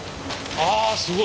あすごい。